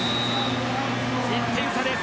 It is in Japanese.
１点差です。